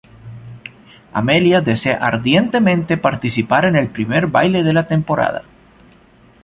Amelia desea ardientemente participar en el primer baile de la temporada.